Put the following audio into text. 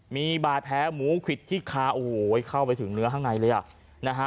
มีบาดแผลหมูควิดที่คาโอ้โหเข้าไปถึงเนื้อข้างในเลยอ่ะนะฮะ